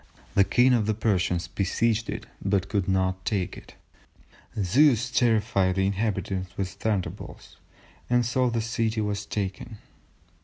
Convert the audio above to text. the King of the Persians besieged it but could not take it; Zeus terrified the inhabitants with thunderbolts, and so the city was taken."